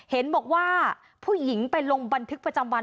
เห็นบอกว่าผู้หญิงไปลงบันทึกประจำวัน